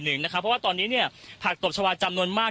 หนึ่งนะครับเพราะว่าตอนนี้เนี้ยผลักตบชวาจำนวนมาก